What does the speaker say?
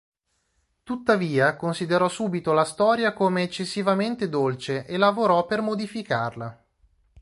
Tuttavia considerò subito la storia come eccessivamente dolce e lavorò per modificarla.